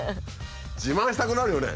自慢したくなるよね。